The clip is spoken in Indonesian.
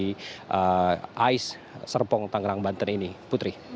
dan forum ini dilaksanakan selama dua hari di ais serpong tangerang banten ini